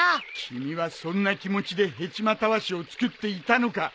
君はそんな気持ちでヘチマたわしを作っていたのか！